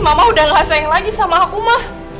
mama udah gak sayang lagi sama aku mah